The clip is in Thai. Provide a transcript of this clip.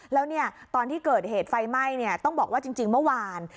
แล้วตอนที่เกิดเหตุไฟไหม้ต้องบอกว่าจริงเมื่อวาน